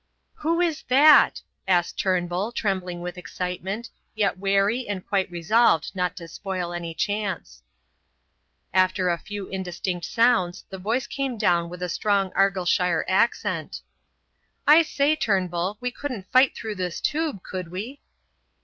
"Who is that?" asked Turnbull, trembling with excitement, yet wary and quite resolved not to spoil any chance. After a few indistinct sounds the voice came down with a strong Argyllshire accent: "I say, Turnbull, we couldn't fight through this tube, could we?"